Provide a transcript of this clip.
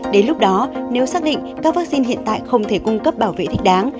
đến lúc đó nếu xác định các vaccine hiện tại không thể cung cấp bảo vệ thích đáng